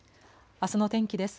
あすの天気です。